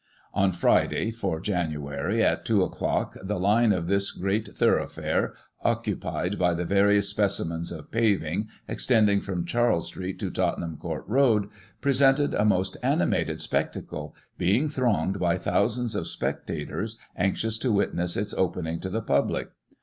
On Friday (4 Jan.) at 2 o'clock, the line of this great thorough fare, occupied by the various specimens of paving, extending from Charles Street to Tottenham Court Road, presented a most animated spectacle, being thronged by thousands of spectators anxious to witness its opening to the public.